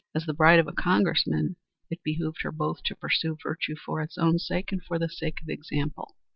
As the bride of a Congressman, it behooved her both to pursue virtue for its own sake and for the sake of example.